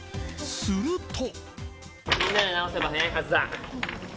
すると。